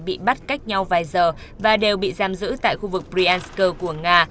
bị bắt cách nhau vài giờ và đều bị giam giữ tại khu vực prian của nga